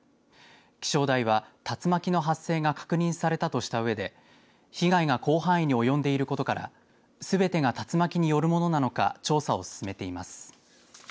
気象台は竜巻の発生が確認されたとしたうえで被害が広範囲に及んでいることからすべてが竜巻によるものなのか調査を進めています。